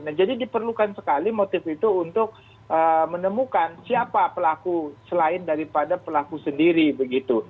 nah jadi diperlukan sekali motif itu untuk menemukan siapa pelaku selain daripada pelaku sendiri begitu